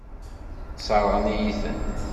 Sseṛɣen-iyi-ten.